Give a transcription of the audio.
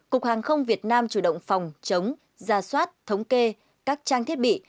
cục hàng không việt nam chủ động phòng chống giả soát thống kê các trang thiết bị